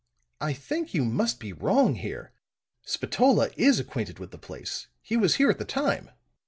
I think you must be wrong here. Spatola is acquainted with the place; he was here at the time.